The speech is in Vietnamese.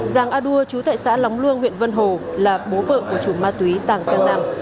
giàng a đua chú thệ xã lóng luông huyện vân hồ là bố vợ của chủ ma túy tàng trang năng